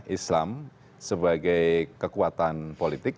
islam sebagai kekuatan politik